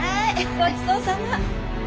ごちそうさま。